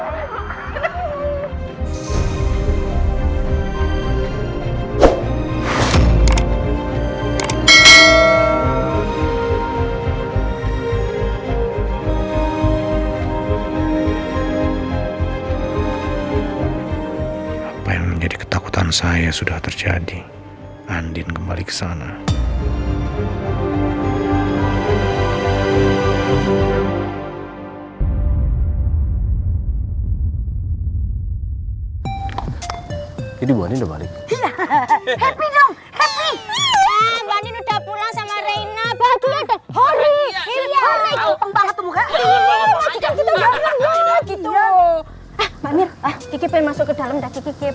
hai apa yang menjadi ketakutan saya sudah terjadi andin kembali ke sana